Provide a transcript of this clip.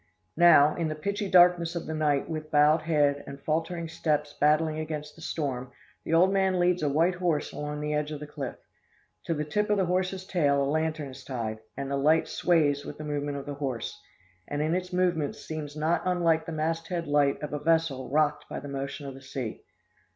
"Now, in the pitchy darkness of the night, with bowed head, and faltering steps battling against the storm, the old man leads a white horse along the edge of the cliff. To the tip of the horse's tail a lantern is tied, and the light sways with the movement of the horse, and in its movements seems not unlike the masthead light of a vessel rocked by the motion of the sea.